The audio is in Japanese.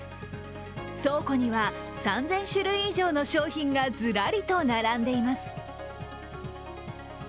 倉庫には３０００種類以上の商品がずらりと並んでいます。